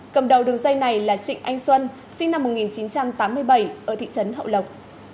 cầm đầu đường dây này là trịnh anh xuân sinh năm một nghìn chín trăm tám mươi bảy ở thị trấn hậu lộc